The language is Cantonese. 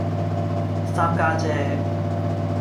三家姐